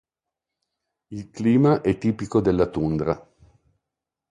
Il clima è tipico della tundra.